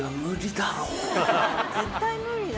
絶対無理だ。